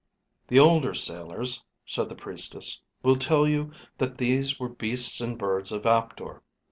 "The older sailors," said the priestess, "will tell you that these were beasts and birds of Aptor.